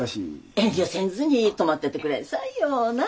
遠慮せんずに泊まってってくれんさいよ。なあ？